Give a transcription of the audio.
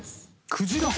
クジラ？